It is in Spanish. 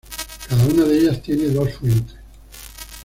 Cada una de ellas tiene dos fuentes.